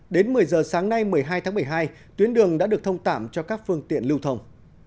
đến một mươi giờ sáng nay một mươi hai tháng một mươi hai tuyến đường đã được thông tạm cho các phương tiện lưu thông